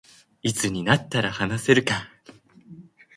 いつになったら話せるか